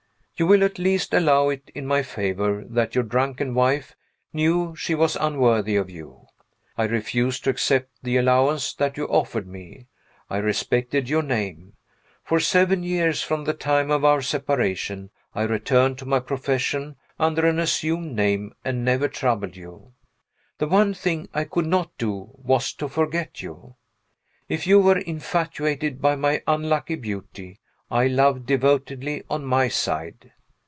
You will at least allow it in my favor that your drunken wife knew she was unworthy of you. I refused to accept the allowance that you offered to me. I respected your name. For seven years from the time of our separation I returned to my profession under an assumed name and never troubled you. The one thing I could not do was to forget you. If you were infatuated by my unlucky beauty, I loved devotedly on my side.